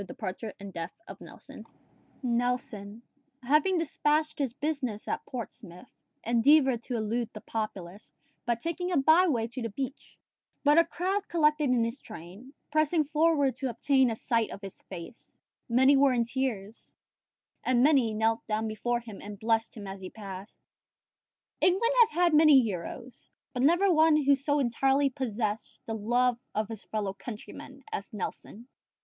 DEPARTURE AND DEATH OF NELSON Nelson, having despatched his business at Portsmouth, endeavoured to elude the populace by taking a by way to the beach, but a crowd collected in his train, pressing forward to obtain a sight of his face: many were in tears, and many knelt down before him and blessed him as he passed. England has had many heroes, but never one who so entirely possessed the love of his fellow countrymen as Nelson.